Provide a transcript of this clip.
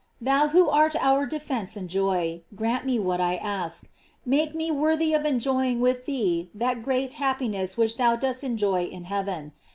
Thou who art our defence and joy, grant me what I ask; make me worthy of enjoying with thee that great happi ness which thou dost enjoy in heaven.